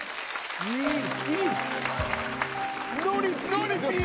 ノリピー！